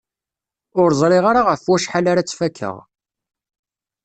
Ur ẓriɣ ara ɣef wacḥal ara tt-fakeɣ!